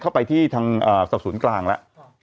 เขาไปที่ทางศัพท์ศูนย์กลางแล้ว